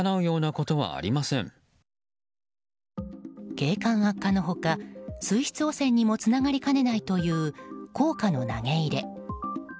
景観悪化の他水質汚染にもつながりかねないという硬貨の投げ入れ。